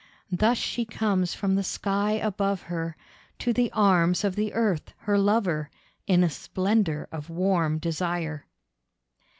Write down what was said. Thus she comes from the sky above her To the arms of the Earth her lover, In a splendour of warm desire.